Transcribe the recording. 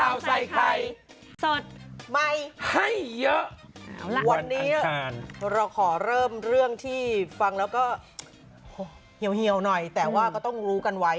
วันนี้เราขอเริ่มเรื่องที่ฟังแล้วก็เฮียวหน่อยแต่ว่าก็ต้องรู้กันไว้